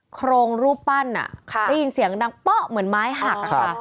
โครงรูปปั้นได้ยินเสียงดังเป๊ะเหมือนไม้หักค่ะ